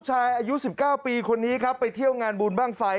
อายุ๑๙ปีคนนี้ครับไปเที่ยวงานบุญบ้างไฟ